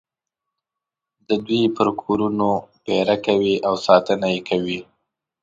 د دوی پر کورونو پېره کوي او ساتنه یې کوي.